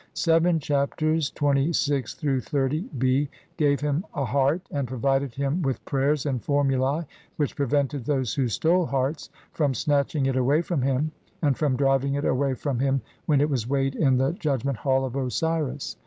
Seven Chapters (XXVI — XXX b) gave him a heart, and provided him with prayers and formulae, which prevented those who stole hearts from snatch ing it away from him and from driving it away from him when it was weighed in the Judgment Hall of Osiris.